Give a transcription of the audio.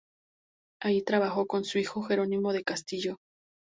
Allí trabajó con su hijo Jerónimo de Castillo.